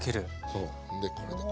そう。